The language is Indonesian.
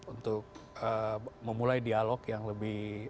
untuk memulai dialog yang lebih